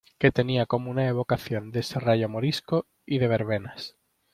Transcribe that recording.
que tenía como una evocación de serrallo morisco y de verbenas.